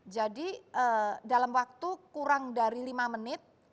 jadi dalam waktu kurang dari lima menit